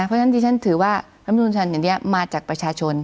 เพราะฉะนั้นที่ฉันถือว่ารำนูนฉันอย่างเนี่ยมาจากประชาชน